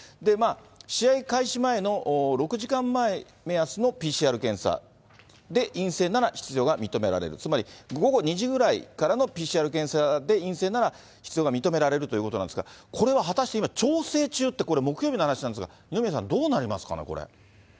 試合開始前の６時間前目安のＰＣＲ検査で陰性なら出場が認められる、つまり、午後２時ぐらいからのＰＣＲ検査で陰性なら、出場が認められるということなんですが、これは果たして今、調整中って、これ、木曜日の話なんですが、二宮さん、どうなりますかね、これ。